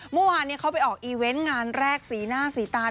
เมื่อวานเขาไปออกอีเวนต์งานแรกสีหน้าสีตาล